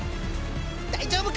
大丈夫か！？